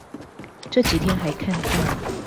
這幾天還看到